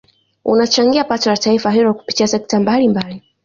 Unachangia pato la taifa hilo kupitia sekta mbalimbali